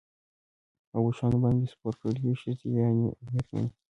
او اوښانو باندي سپور کړی وې، ښځي يعني ميرمنې